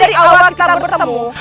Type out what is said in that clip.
dari awal kita bertemu